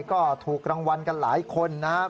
ก็ถูกรางวัลกันหลายคนนะครับ